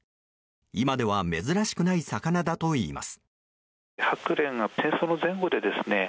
今では珍しくない魚だといいます。